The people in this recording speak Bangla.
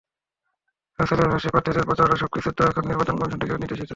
রাসেলের ভাষ্য, প্রার্থীদের প্রচারণার সবকিছুই তো এখন নির্বাচন কমিশন থেকে নির্দেশিত।